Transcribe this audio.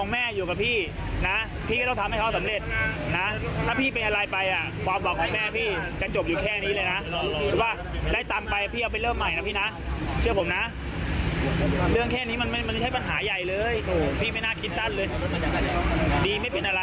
ไม่มีเลยเพราะว่าเขาบอกว่าถ้าจะจัดเลยแบบมูลบอกว่าไม่มี